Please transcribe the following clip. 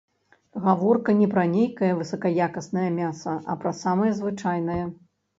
Гаворка не пра нейкае высакаякаснае мяса, а пра самае звычайнае.